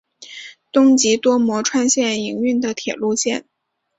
东急多摩川线营运的铁路线。